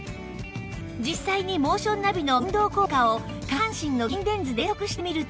実際にモーションナビの運動効果を下半身の筋電図で計測してみると